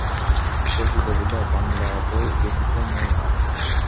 শশী বলিল, বাঙলা বই বেশি তো নেই আলমারিতে।